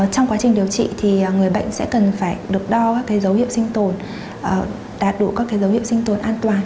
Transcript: trong quá trình điều trị thì người bệnh sẽ cần phải được đo các dấu hiệu sinh tồn đạt đủ các dấu hiệu sinh tồn an toàn